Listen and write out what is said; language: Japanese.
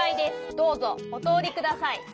どうぞおとおりください」。